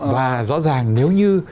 và rõ ràng nếu như